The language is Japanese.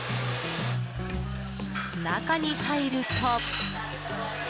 中に入ると。